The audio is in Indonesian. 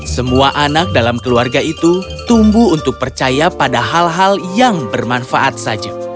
semua anak dalam keluarga itu tumbuh untuk percaya pada hal hal yang bermanfaat saja